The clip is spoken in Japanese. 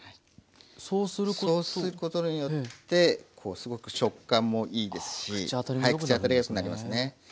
そうすることによってこうすごく食感もいいですし口当たりがよくなりますね。